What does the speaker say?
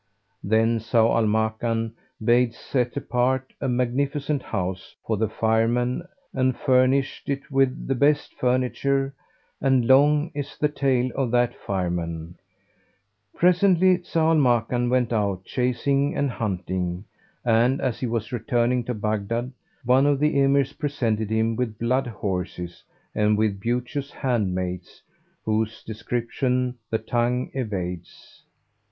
Then Zau al Makan bade set apart a magnificent house for the Fireman and furnished it with the best of furniture and long is the tale of that Fireman.[FN#380] Presently Zau al Makan went out chasing and hunting and, as he was returning to Baghdad, one of the Emirs presented him with blood horses and with beauteous handmaids whose description the tongue evades.